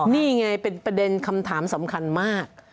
นี่ไงเป็นประเด็นคำถามสำคัญมาก